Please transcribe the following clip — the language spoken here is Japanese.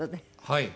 はい。